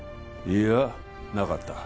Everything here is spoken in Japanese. いいやなかっ